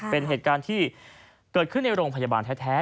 เป็นเหตุการณ์ที่เกิดขึ้นในโรงพยาบาลแท้